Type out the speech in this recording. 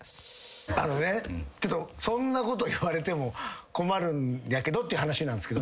あのねそんなこと言われても困るんやけどっていう話なんすけど。